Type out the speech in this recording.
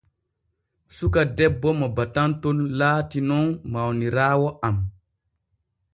Suka debbo mo batanton laati nun mawniraawo am.